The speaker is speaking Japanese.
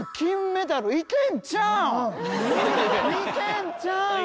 メダルいけんちゃう？